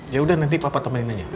yaudah nanti papa temenin aja ya